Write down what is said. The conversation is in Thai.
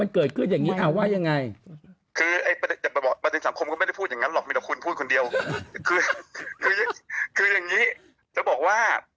เกิดอย่างนี้คือพูดประเด็นสังคมไม่ได้พูดอย่างนั้นหรอกมีรอคุณพูดคนเดียว